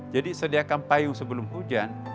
jadi sediakan payung sebelum hujan